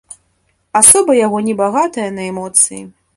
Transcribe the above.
Асоба яго не багатая на эмоцыі.